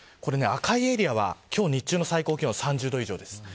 赤いエリアは、今日日中の最高気温３０度以上です。